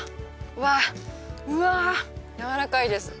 うわっうわやわらかいです